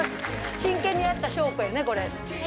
真剣にやった証拠やね、これ。